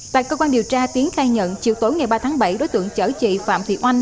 tại cơ quan điều tra tiến khai nhận chiều tối ngày ba tháng bảy đối tượng chở chị phạm thị oanh